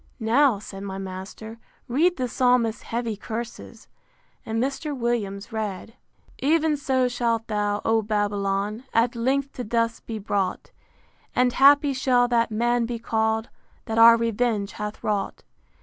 Now, said my master, read the Psalmist's heavy curses: and Mr. Williams read: IX. Ev'n so shalt thou, O Babylon! At length to dust be brought: And happy shall that man be call'd, That our revenge hath wrought.